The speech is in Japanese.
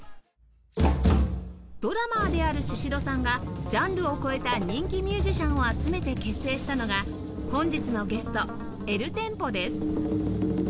ドラマーであるシシドさんがジャンルを超えた人気ミュージシャンを集めて結成したのが本日のゲスト ｅｌｔｅｍｐｏ です